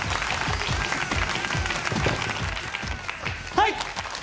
はい！